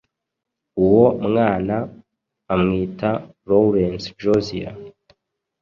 uwo mwana amwita lawrence josiah